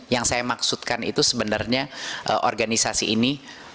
yang saya maksudkan itu sebenarnya organisasi ini